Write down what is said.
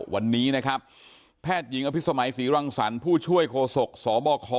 วันนี้นะครับแพทย์หญิงอภิษมัยศรีรังสรรค์ผู้ช่วยโคศกสบค